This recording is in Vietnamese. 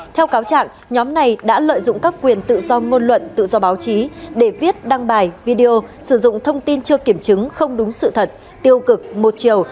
theo cáo trạng nhóm này đã lợi dụng các quyền tự do ngôn luận tự do báo chí để viết đăng bài video sử dụng thông tin chưa kiểm chứng không đúng sự thật tiêu cực một chiều